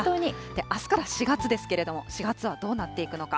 あすから４月ですけれども、４月はどうなっていくのか。